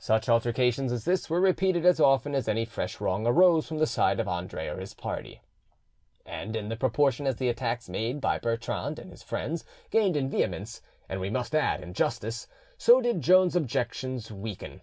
Such altercations as this were repeated as often as any fresh wrong arose from the side of Andre or his party; and in proportion as the attacks made by Bertrand and his friends gained in vehemence—and we must add, in justice—so did Joan's objections weaken.